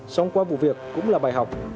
xong qua vụ việc cũng là bài học